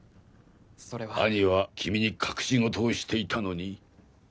それは兄は君に隠し事をしていたのに？